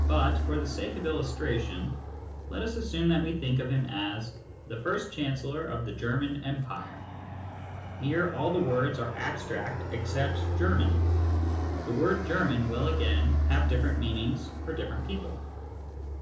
But, for the sake of illustration, let us assume that we think of him as " the first Chancellor of the German Empire." Here all the words are abstract! except " Ger man/ The word " German " will again have different meanings for different people.